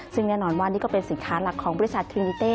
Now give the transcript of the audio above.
ซึ่งแน่นอนว่านี่ก็เป็นสินค้าหลักของบริษัททีนิเต้